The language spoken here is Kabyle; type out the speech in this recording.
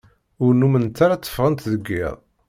Ur nnument ara tteffɣent deg iḍ.